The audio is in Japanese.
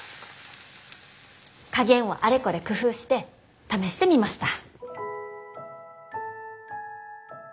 加減をあれこれ工夫して試してみました。